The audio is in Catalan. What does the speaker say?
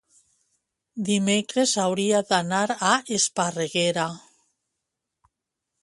dimecres hauria d'anar a Esparreguera.